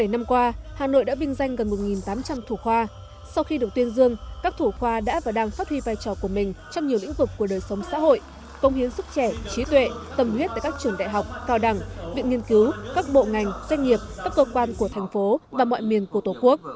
bảy năm qua hà nội đã vinh danh gần một tám trăm linh thủ khoa sau khi được tuyên dương các thủ khoa đã và đang phát huy vai trò của mình trong nhiều lĩnh vực của đời sống xã hội công hiến sức trẻ trí tuệ tâm huyết tại các trường đại học cao đẳng viện nghiên cứu các bộ ngành doanh nghiệp các cơ quan của thành phố và mọi miền của tổ quốc